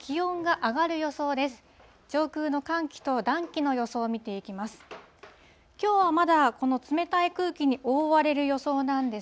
上空の寒気と暖気の予想を見ていきます。